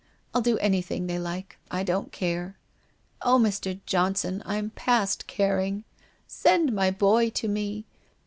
I'll do anything they like. I don't care. ... Oh, Mr. Johnson, I'm past caring ! Send my boy to me